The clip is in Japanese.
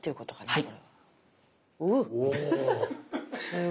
はい。